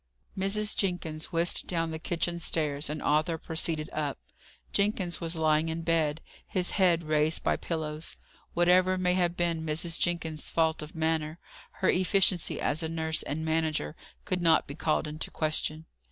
Mrs. Jenkins whisked down the kitchen stairs, and Arthur proceeded up. Jenkins was lying in bed, his head raised by pillows. Whatever may have been Mrs. Jenkins's faults of manner, her efficiency as a nurse and manager could not be called into question.